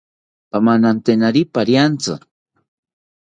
Pamananteniri pariantzi